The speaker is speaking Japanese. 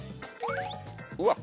うわっ。